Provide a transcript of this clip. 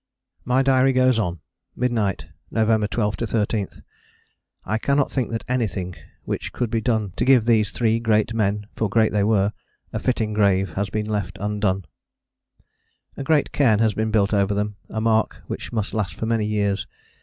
My diary goes on: Midnight, November 12 13. I cannot think that anything which could be done to give these three great men for great they were a fitting grave has been left undone. A great cairn has been built over them, a mark which must last for many years.